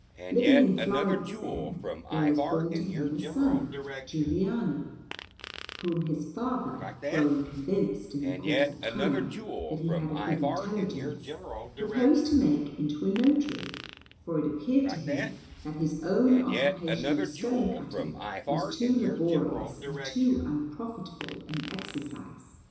Living in Florence, then, there was born to him a son, Giuliano, whom his father, growing convinced in the course of time that he had a good intelligence, proposed to make into a notary, for it appeared to him that his own occupation of stone cutting was too laborious and too unprofitable an exercise.